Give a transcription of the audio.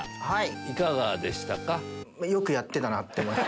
いかがでしたか？